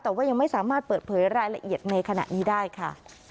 แต่ว่ายังไม่สามารถเปิดเผยรายละเอียดในขณะนี้ได้ค่ะ